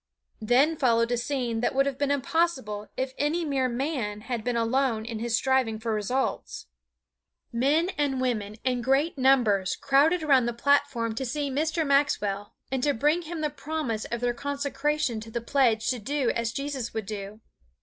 Then followed a scene that would have been impossible if any mere man had been alone in his striving for results. Men and women in great numbers crowded around the platform to see Mr. Maxwell and to bring him the promise of their consecration to the pledge to do as Jesus would do.